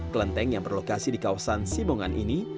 kelenteng yang berlokasi di kawasan simongan ini